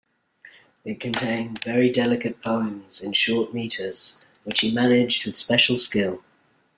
It contained very delicate poems in short meters, which he managed with special skill.